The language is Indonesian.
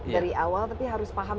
dari awal tapi harus paham